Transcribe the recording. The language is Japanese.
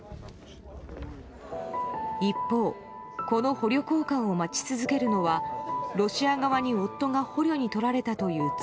一方、この捕虜交換を待ち続けるのはロシア側に夫が捕虜にとられたという妻。